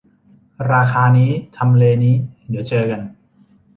ราคานี้ ทำเลนี้ เดี๋ยวเจอกัน